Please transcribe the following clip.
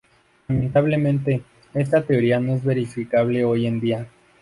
Lamentablemente, esta teoría no es verificable hoy en día.